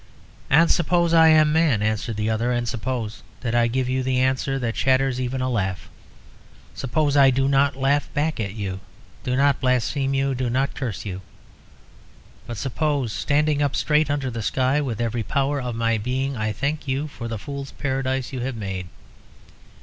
"And suppose I am man," answered the other. "And suppose that I give the answer that shatters even a laugh. Suppose I do not laugh back at you, do not blaspheme you, do not curse you. But suppose, standing up straight under the sky, with every power of my being, I thank you for the fools' paradise you have made.